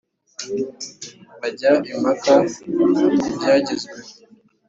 bajya impaka ku byagezweho